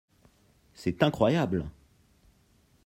C’est incroyable !